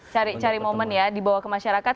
cari cari momen ya dibawa ke masyarakat